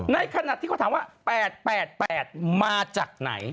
ในขณะที่เขาถามว่า๘๘มาจากไหน